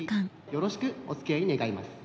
よろしくお付き合い願います。